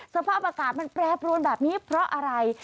สภาพอากาศมันแปรปรวนแบบนี้เพราะอะไร